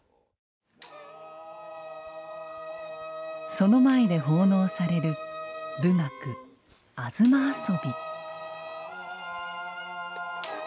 その前で奉納される舞楽・東游。